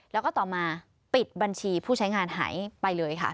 แล้วก็ต่อมาปิดบัญชีผู้ใช้งานหายไปเลยค่ะ